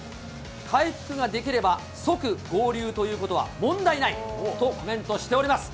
回復ができれば即合流ということは問題ないとコメントしております。